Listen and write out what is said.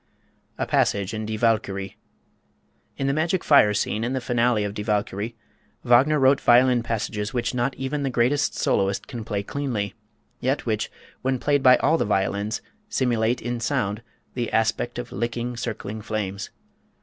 A Passage in "Die Walküre." In the Magic Fire Scene in the finale of "Die Walküre," Wagner wrote violin passages which not even the greatest soloist can play cleanly, yet which, when played by all the violins, simulate in sound the aspect of licking, circling flames.